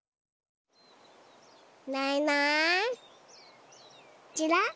いないいないちらっ。